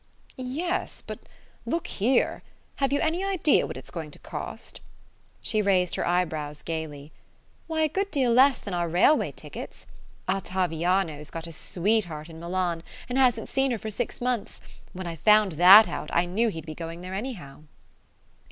"Yes; but look here have you any idea what it's going to cost?" She raised her eyebrows gaily. "Why, a good deal less than our railway tickets. Ottaviano's got a sweetheart in Milan, and hasn't seen her for six months. When I found that out I knew he'd be going there anyhow."